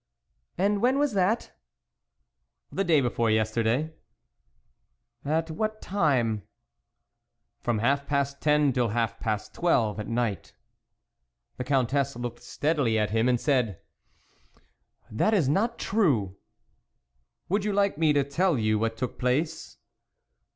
" And when was that ?"" The day before yesterday." " At what time ?"" From half past ten till half past twelve at night." The Countess looked steadily at him and said :" That is not true." " Would you like me to tell you what took place